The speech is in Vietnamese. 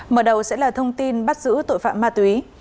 mở đầu sẽ là thông tin bắt giữ tội phạm ma túy